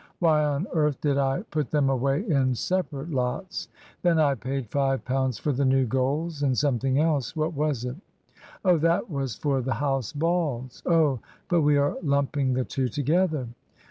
Why on earth did I put them away in separate lots? Then I paid £5 for the new goals, and something else what was it? Oh, that was for the House balls oh, but we are lumping the two together.